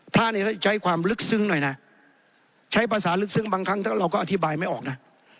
พระเนี่ยใช้ความลึกซึ้งหน่อยนะใช้ภาษาลึกซึ้งบางครั้งถ้าเราก็อธิบายไม่ออกนะ